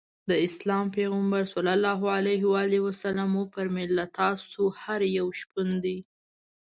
د اسلام پیغمبر ص وفرمایل له تاسو هر یو شپون دی.